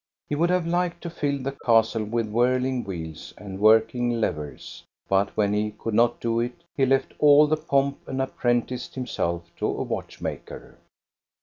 He would have liked to fill the castle with whirling wheels and working levers. But when he could not do it he left all the pomp and apprenticed himself to a watch maker.